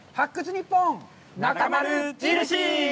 ニッポンなかまる印！